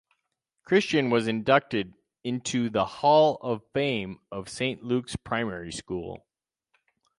Christian was inducted into the Hall of Fame of St Luke’s Primary School.